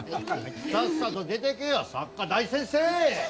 さっさと出てけよ作家大先生！